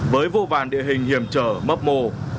với vô vàn địa hình hiểm trở mấp mô